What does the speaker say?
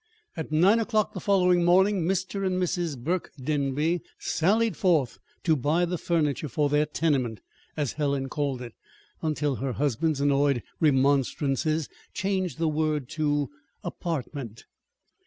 At nine o'clock the following morning Mr. and Mrs. Burke Denby sallied forth to buy the furniture for their "tenement," as Helen called it, until her husband's annoyed remonstrances changed the word to "apartment."